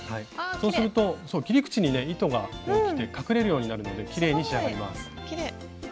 そうすると切り口に糸がきて隠れるようになるのできれいに仕上がります。